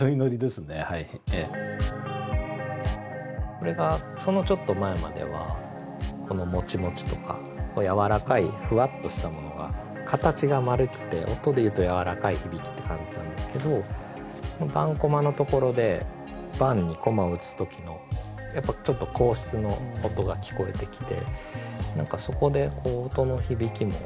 これがそのちょっと前までは「もちもち」とかやわらかいふわっとしたものが形が丸くて音で言うとやわらかい響きって感じなんですけど盤駒のところで盤に駒を打つ時のやっぱちょっと硬質の音が聞こえてきて何かそこで音の響きも雰囲気も変わって。